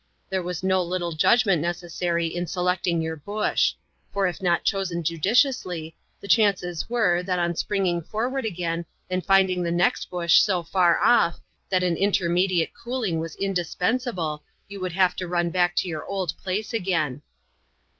There was no little judg ment necessary in selecting your bush ; for if not chosen judi ciously, the chances were, that on springing forward again, and finding the next bush so far off, that an intermediate cooling was indispensable, you would have to run back to your old place again.